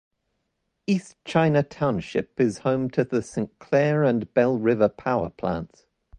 East China Township is home to the Saint Clair and Belle River Power Plants.